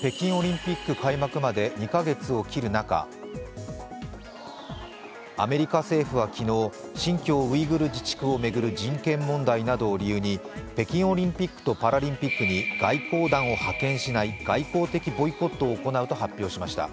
北京オリンピック開幕まで２カ月を切る中、アメリカ政府は昨日、新疆ウイグル自治区を巡る人権問題などを理由に北京オリンピックとパラリンピックに外交団を派遣しない外交的ボイコットを行うと発表しました。